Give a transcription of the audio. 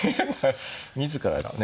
自らがね。